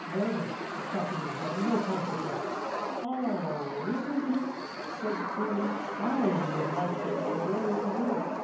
However, the copy is of no consequence." "Oh, isn't it?" said Crewe. "I would like to know where it went.